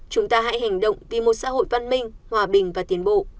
chúng ta hãy hành động vì một xã hội văn minh hòa bình và tiến bộ